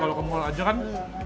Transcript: kalau ke mall aja kan